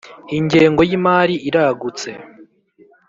ingengo y ‘imari iragutse.